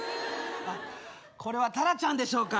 これはタラちゃんでしょうか。